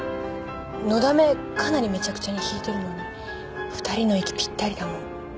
のだめかなりめちゃくちゃに弾いてるのに二人の息ぴったりだもん。